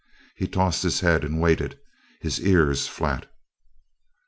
He tossed his head and waited, his ears flat.